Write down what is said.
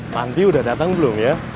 panti udah datang belum ya